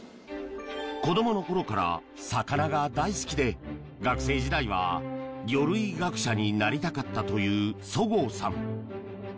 子どもの頃から魚が大好きで学生時代は魚類学者になりたかったという十河さん。